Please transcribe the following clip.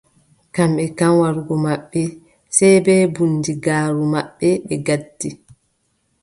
Kamɓe kam warugo maɓɓe sey bee bundigaaru maɓɓe ɓe ngaddi.